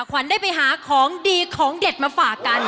ขวัญได้ไปหาของดีของเด็ดมาฝากกัน